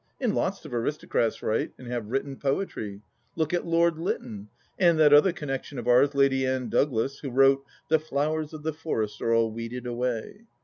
And lots of aristocrats write and have written poetry. Look at Lord Lytton, and that other connexion of ours, Lady Anne Douglas, who wrote " The flowers of the forest are all weeded away